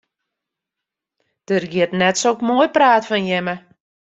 Der giet net sok moai praat fan jimme.